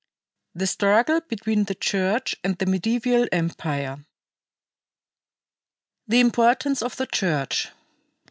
THE STRUGGLE BETWEEN THE CHURCH AND THE MEDIEVAL EMPIRE. The Importance of the Church.